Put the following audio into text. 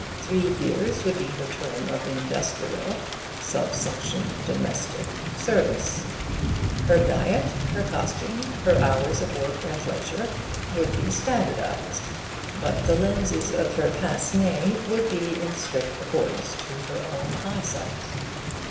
Three years would be her term of industrial (sub sect. domestic) service. Her diet, her costume, her hours of work and leisure, would be standardised, but the lenses of her pince nez would be in strict accordance to her own eyesight.